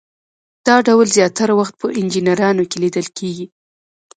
دا ډول زیاتره وخت په انجینرانو کې لیدل کیږي.